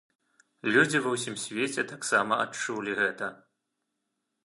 Людзі ва ўсім свеце таксама адчулі гэта.